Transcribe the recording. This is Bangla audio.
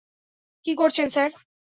কী করছেন, স্যার।